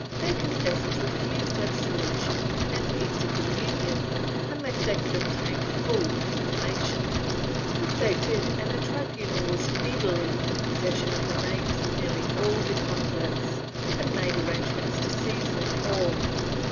Their confessors refused absolution and Easter communion unless they would obtain full information; this they did and the tribunal was speedily in possession of the names of nearly all the converts, and made arrangements to seize them all.